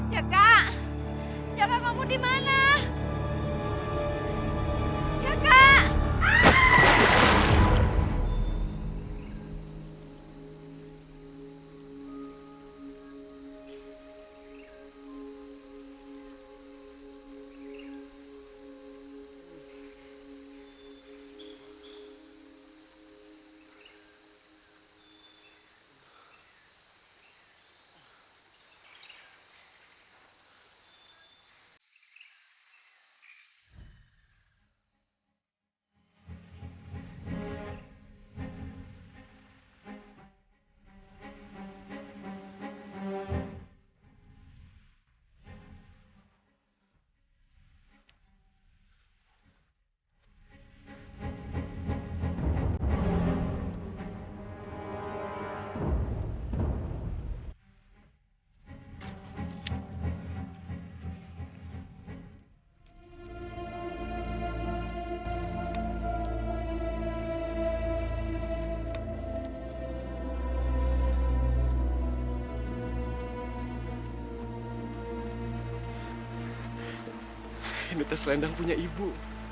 ya saya yakin ini pasti punya ibu